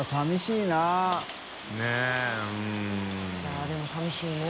あぁでもさみしいね。